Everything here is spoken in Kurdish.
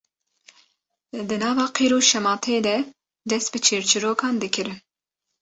di nava qîr û şematê de dest bi çîrçîrokan dikirin